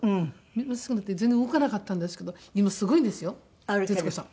真っすぐになって全然動かなかったんですけど今すごいんですよ徹子さん。